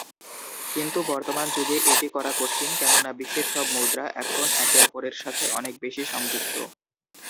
কিন্তু বর্তমান যুগে এটি করা কঠিন, কেননা বিশ্বের সব মুদ্রা এখন একে অপরের সাথে অনেক বেশি সংযুক্ত।